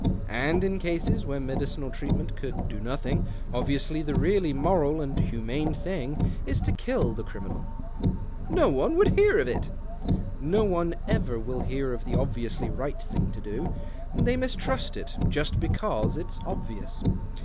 And in cases where medical treatment could do nothing, obviously the really moral and humane thing is to kill the criminal." " No one would hear of it." " No one ever will hear of the obviously right thing to do — they mistrust it just because it's obvious.